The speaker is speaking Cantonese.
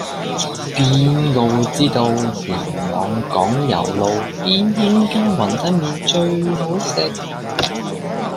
邊個會知道元朗港攸路邊間雲吞麵最好食